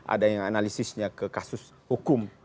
ada yang analisisnya ke kasus hukum partai gitu